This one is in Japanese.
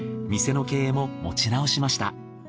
店の経営も持ち直しました。